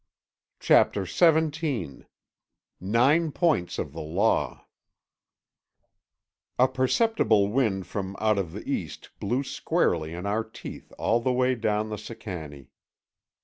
CHAPTER XVII—NINE POINTS OF THE LAW A perceptible wind from out the east blew squarely in our teeth all the way down the Sicannie.